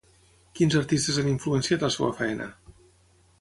Quins artistes han influenciat la seva feina?